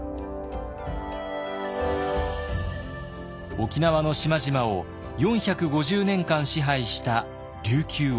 沖縄の島々を４５０年間支配した琉球王国。